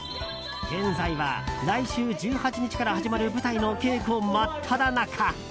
現在は来週１８日から始まる舞台の稽古真っただ中。